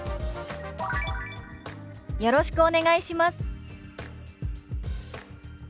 「よろしくお願いします」。